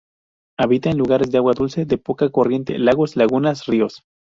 Habita en lugares de agua dulce de poca corriente; lagos, lagunas, ríos.